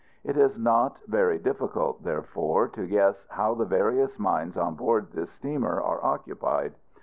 It is not very difficult, therefore, to guess how the various minds on board this steamer are occupied.